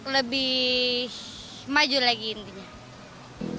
lebih maju lagi intinya